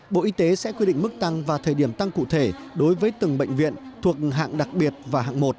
bộ y tế sẽ quy định mức tăng và thời điểm tăng cụ thể đối với từng bệnh viện thuộc hạng đặc biệt và hạng một